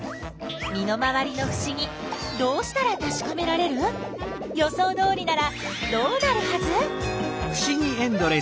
身の回りのふしぎどうしたらたしかめられる？予想どおりならどうなるはず？